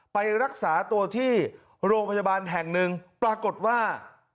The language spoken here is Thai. ไปรักษาตัวที่โรงพยาบาลแห่งหนึ่งปรากฏว่า